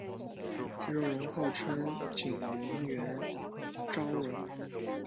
谢昭容号称景宁园昭容。